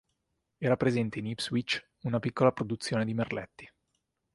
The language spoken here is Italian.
Era presente in Ipswich una piccola produzione di merletti.